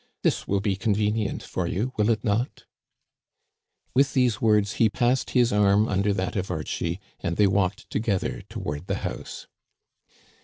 This will be convenient for you, will it not ?" With these words, he passed his arm under that of Archie and they walked together toward the house.